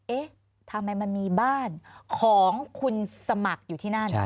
เอ๊ะทำไมมันมีบ้านของคุณสมัครอยู่ที่นั่น